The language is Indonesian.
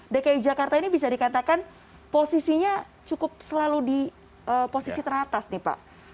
dki jakarta ini bisa dikatakan posisinya cukup selalu di posisi teratas nih pak